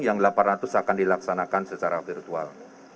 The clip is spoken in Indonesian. yang delapan ratus akan dilaksanakan secara virtual